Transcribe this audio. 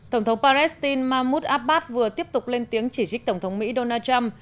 tổng thống palestine mahmoud abbas vừa tiếp tục lên tiếng chỉ trích tổng thống mỹ donald trump